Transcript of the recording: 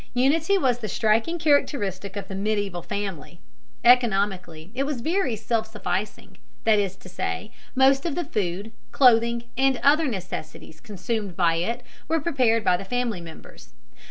Unity was the striking characteristic of the medieval family. Economically it was very nearly self sufficing, that is to say, most of the food, clothing, and other necessities consumed by it were prepared by the family members.